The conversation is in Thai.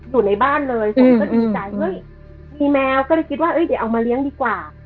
อยู่ในบ้านเลยผมก็ดีใจเฮ้ยมีแมวก็เลยคิดว่าเดี๋ยวเอามาเลี้ยงดีกว่า